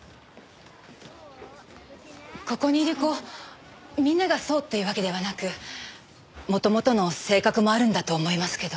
ここにいる子みんながそうっていうわけではなく元々の性格もあるんだと思いますけど。